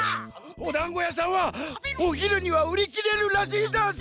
おだんごやさんはおひるにはうりきれるらしいざんす！